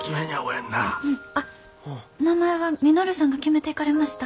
あっ名前は稔さんが決めていかれました。